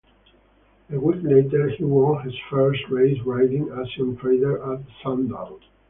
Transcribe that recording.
A week later, he won his first race riding Asian Trader at Sandown.